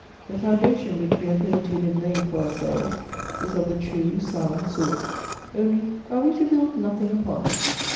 The foundation which we have hitherto been laying for ourselves, is of the true, sound sort ; only, are we to build nothing upon it?